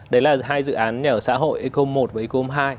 đấy là hai dự án nhà ở xã hội ecom một và ecom hai